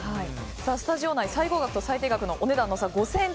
スタジオ内最高額と最低額のお値段の差